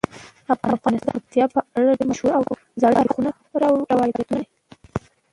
افغانستان د پکتیکا په اړه ډیر مشهور او زاړه تاریخی روایتونه لري.